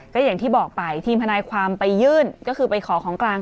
ก็อย่างที่บอกไปทีมทนายความไปยื่นก็คือไปขอของกลาง